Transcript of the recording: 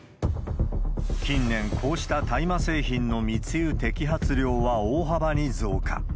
近年、こうした大麻製品の密輸摘発量は大幅に増加。